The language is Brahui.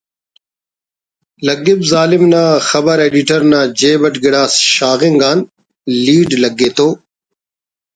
لگپ ظالم نا خبر ایڈیٹر نا جیب اٹ گڑاس شاغنگ آن لیڈ لگے تو……